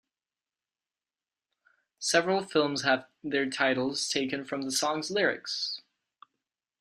Several films have their titles taken from the song's lyrics.